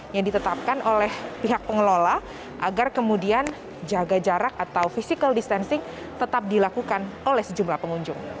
yang ditetapkan oleh pihak pengelola agar kemudian jaga jarak atau physical distancing tetap dilakukan oleh sejumlah pengunjung